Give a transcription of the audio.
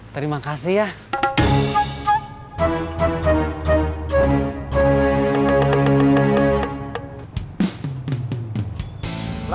terima kasih ya